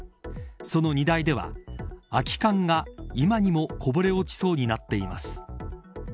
その荷台では、空き缶が今にもこぼれ落ちそうになっています。